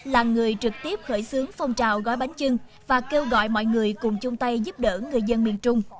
là người trực tiếp khởi xướng phong trào gói bánh trưng và kêu gọi mọi người cùng chung tay giúp đỡ người dân miền trung